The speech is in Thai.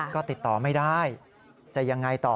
ก็ติดต่อไม่ได้จะยังไงต่อ